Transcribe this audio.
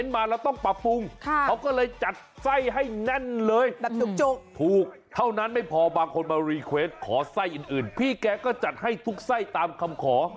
ตำปูปลาร้าขนมจีนน้ำยาก็จัดให้จัดได้จัดเต็ม